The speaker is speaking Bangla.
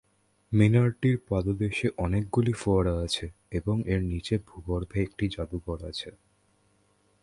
মিনারটির পাদদেশে অনেকগুলি ফোয়ারা আছে এবং এর নিচে ভূগর্ভে একটি জাদুঘর আছে।